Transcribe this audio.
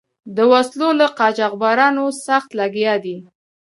د وسلو له قاچبرانو سخت لګیا دي.